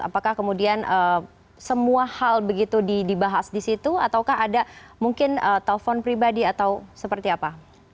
apakah kemudian semua hal begitu dibahas di situ ataukah ada mungkin telpon pribadi atau seperti apa